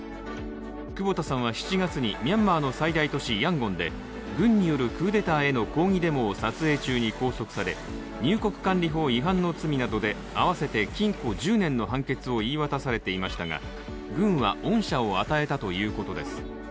久保田さんは７月にミャンマーの最大都市ヤンゴンで軍によるクーデターへの抗議デモを撮影中に拘束され、入国管理法違反の罪などで合わせて禁固１０年の判決を言い渡されていましたが軍は恩赦を与えたということです。